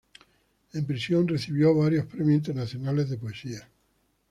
En prisión recibió varios premios internacionales de poesía.